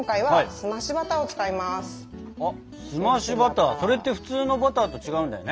澄ましバターそれって普通のバターと違うんだよね。